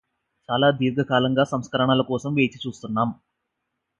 చాలా దీర్ఘకాలంగా సంస్కరణల కోసం వేచి చూస్తున్నాం